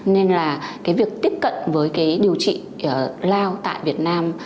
nên là cái việc tiếp cận với cái điều trị cloud tại việt nam